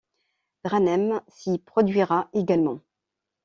Dranem s'y produira également.